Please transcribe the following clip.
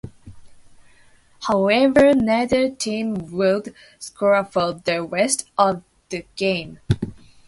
However, neither team would score for the rest of the game.